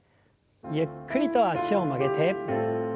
ゆっくりと脚を曲げて。